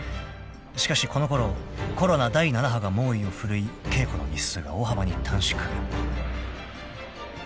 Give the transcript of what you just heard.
［しかしこの頃コロナ第７波が猛威を振るい稽古の日数が大幅に短縮］